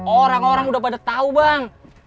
orang orang udah pada tahu bang